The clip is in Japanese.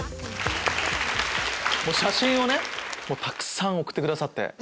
写真をねたくさん送ってくださって。